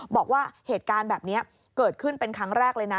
บอกว่าเหตุการณ์แบบนี้เกิดขึ้นเป็นครั้งแรกเลยนะ